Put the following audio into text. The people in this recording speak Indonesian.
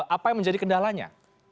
apa yang menjadi kendalanya